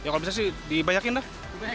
kalau bisa sih dibayakin dah